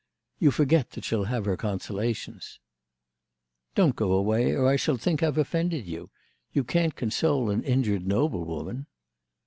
"You forget that she'll have her consolations." "Don't go away or I shall think I've offended you. You can't console an injured noblewoman."